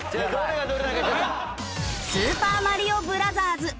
『スーパーマリオブラザーズ』